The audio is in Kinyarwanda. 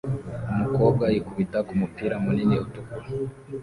Umukobwa yikubita kumupira munini utukura